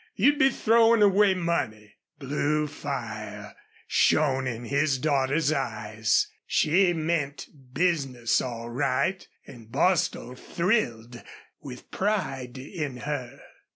You'd be throwin' away money." Blue fire shone in his daughter's eyes. She meant business, all right, and Bostil thrilled with pride in her.